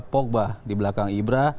pogba di belakang ibra